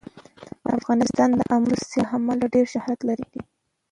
افغانستان د آمو سیند له امله ډېر شهرت لري.